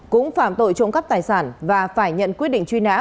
cũng phạm tội trộm cắp tài sản và phải nhận quyết định truy nã